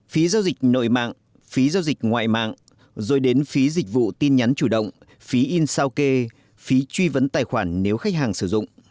phí giao dịch nội mạng phí giao dịch ngoại mạng rồi đến phí dịch vụ tin nhắn chủ động phí in sao kê phí truy vấn tài khoản nếu khách hàng sử dụng